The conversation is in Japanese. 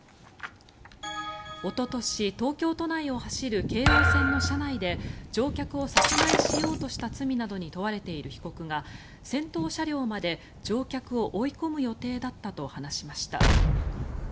おととし東京都内を走る京王線の車内で乗客を殺害しようとした罪などに問われている被告が先頭車両まで乗客を追い込む予定だったと話しました。